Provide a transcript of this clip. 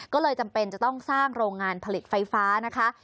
ก็เลยจำเป็นจะต้องสร้างโรงงานผลิตไฟฟ้านะคะ